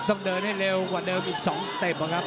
ต้องเดินให้เร็วกว่าเดิมอีก๒สเต็ปอะครับ